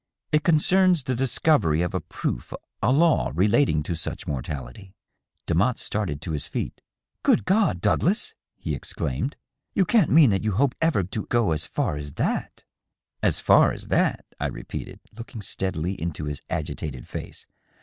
" It concerns the discovery of a proof — ^a law — relating to such mortality." Demotte started to his feet. " Good God, Douglas !" he exclaimed, ^^you can't mean that you hope ever to go as far as that?" "^ As far as that' ?" I repeated, looking steadily into his agitated face.